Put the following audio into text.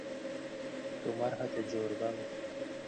জনবল সংকটের কারণে সপ্তাহে তিন দিন হাসপাতালে এক্স-রে কার্যক্রম বন্ধ থাকে।